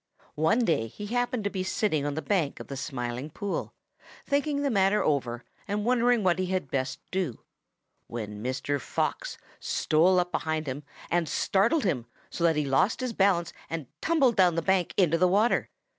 "One day he happened to be sitting on the bank of the Smiling Pool, thinking the matter over and wondering what he had best do, when Mr. Fox stole up behind him and startled him so that he lost his balance and tumbled down the bank into the water.